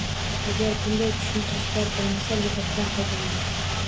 Agar bunday tushuntirishlar boʻlmasa, lugʻatdan foydalaning